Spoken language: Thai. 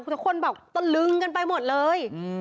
แต่คนบอกตะลึงกันไปหมดเลย